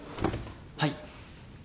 はい。